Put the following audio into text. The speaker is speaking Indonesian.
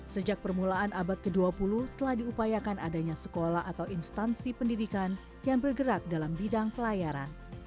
sejak permulaan abad ke dua puluh telah diupayakan adanya sekolah atau instansi pendidikan yang bergerak dalam bidang pelayaran